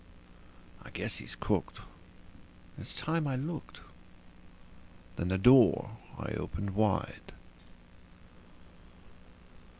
I guess he's cooked, and it's time I looked";. .. then the door I opened wide.